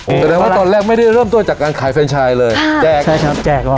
แสดงว่าตอนแรกไม่ได้เริ่มต้นจากการขายแฟนชายเลยแจกใช่ครับแจกหรอ